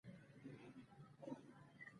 افغانستان له د هېواد مرکز ډک دی.